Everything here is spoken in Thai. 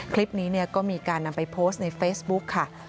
คลิปนี้ก็มีการนำไปโพสต์ในเฟซบุ๊กค่ะ